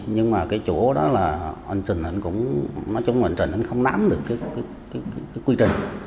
nhưng mà cái chỗ đó là hoàn toàn không nắm được quy trình